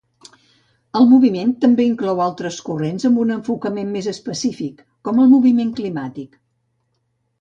El moviment també inclou altres corrents amb un enfocament més específic, com el moviment climàtic.